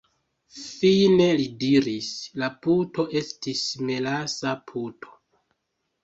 Fine li diris: "La puto estis melasa puto."